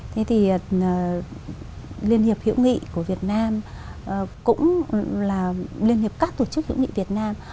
thế thì liên hiệp hiệu nghị của việt nam cũng là liên hiệp các tổ chức hữu nghị việt nam